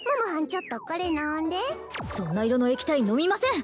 ちょっとこれ飲んでそんな色の液体飲みません！